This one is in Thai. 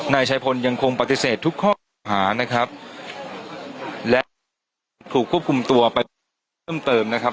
นายชายพลยังคงปฏิเสธทุกข้อหานะครับและถูกควบคุมตัวไปเพิ่มเติมนะครับ